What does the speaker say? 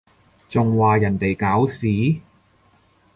仲話人哋搞事？